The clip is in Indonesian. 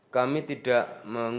kami tidak mengundang